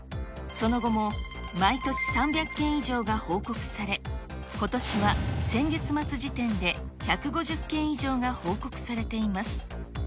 その後も毎年３００件以上が報告され、ことしは先月末時点で１５０件以上が報告されています。